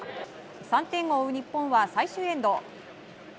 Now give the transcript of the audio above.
３点を追う日本は最終エンド。